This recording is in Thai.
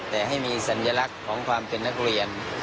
แต่ให้มีสัญลักษณ์ของความเป็นนักเรียน